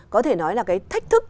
có thể nói là cái thách thức